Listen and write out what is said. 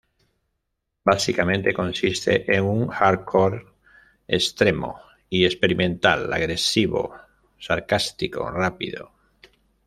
Básicamente consiste en un hardcore extremo y experimental, agresivo, sarcástico, rápido.